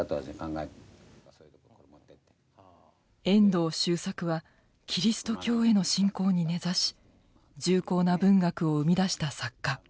遠藤周作はキリスト教への信仰に根ざし重厚な文学を生み出した作家。